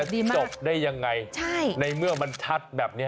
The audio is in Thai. จบได้ยังไงใช่ในเมื่อมันชัดแบบนี้